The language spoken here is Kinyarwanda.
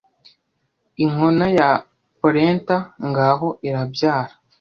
Inkona ya Polenta ngaho irabyara